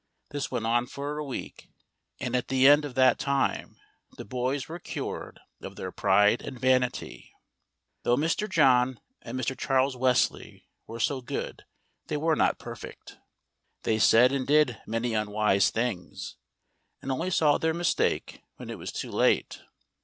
This went on for a week, and at the end of that time the boys were cured of their pride and vanity. Though Mr. John and Mr. Charles Wesley were so good, they were not perfect. They said and did many unwise things, and only saw their mistake when it was too late.